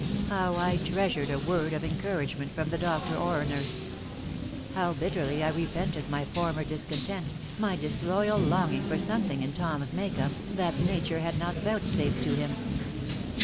How I treasured a word of encouragement from the doctor or a nurse! How bitterly I repented my former discontent, my disloyal longing for something in Tom's make up that nature had not vouchsafed to him!